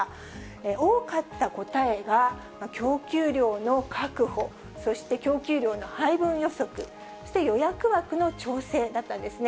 多かった答えが供給量の確保、そして供給量の配分予測、そして予約枠の調整だったんですね。